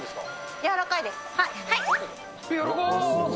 やわらかい、すご。